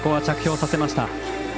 着氷させました。